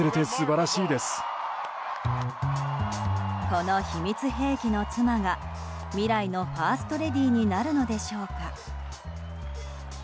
この秘密兵器の妻が未来のファーストレディーになるのでしょうか。